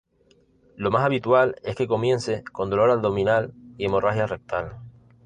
Lo más habitual es que comience con dolor abdominal y hemorragia rectal.